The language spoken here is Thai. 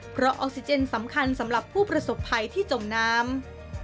เพราะออกซิเจนสำคัญสำหรับผู้ประสบภัยที่จมน้ำ